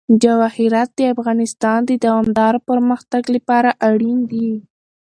جواهرات د افغانستان د دوامداره پرمختګ لپاره اړین دي.